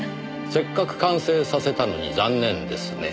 「せっかく完成させたのに残念ですね」。